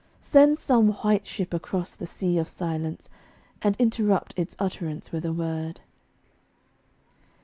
Send some white ship across the Sea of Silence, And interrupt its utterance with a word.